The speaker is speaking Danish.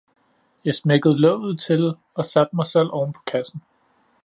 Jeg smækkede låget til og satte mig selv ovenpå kassen